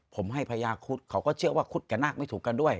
ผมให้พญาคุดเขาก็เชื่อว่าคุดกับนาคไม่ถูกกันด้วย